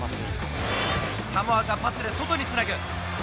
サモアがパスで外につなぐ。